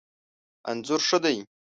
انځور ښه دی